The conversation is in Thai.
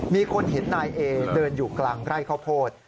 มีคนเห็นนายเอเดินอยู่กลางไร่ข้าวโพด